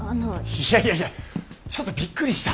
いやいやいやちょっとびっくりした。